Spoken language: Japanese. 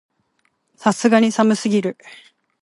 さすがに寒すぎる